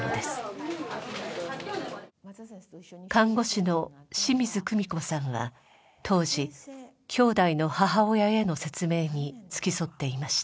看護師の清水久美子さんは当時兄妹の母親への説明に付き添っていました。